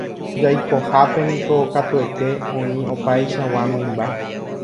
Jaikohápe niko katuete oĩ opaichagua mymba.